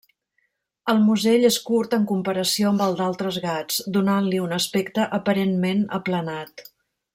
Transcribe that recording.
El musell és curt en comparació amb el d'altres gats, donant-li un aspecte aparentment aplanat.